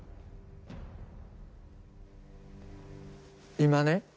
今ね。